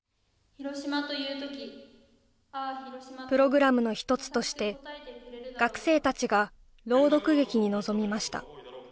ヒロシマとプログラムの一つとして学生たちが朗読劇に臨みました